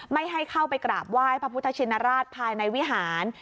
ไม่ให้เข้าไปกราบไหว้พระพุทธชินราชภายในวิหาร